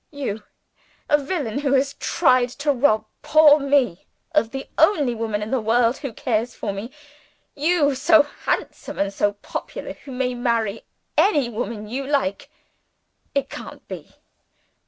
You, a villain who has tried to rob poor Me of the only woman in the world who cares for me! You, so handsome and so popular, who may marry any woman you like! It can't be.